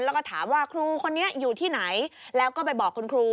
แล้วก็ถามว่าครูคนนี้อยู่ที่ไหนแล้วก็ไปบอกคุณครู